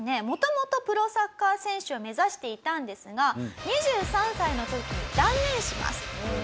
もともとプロサッカー選手を目指していたんですが２３歳の時に断念します。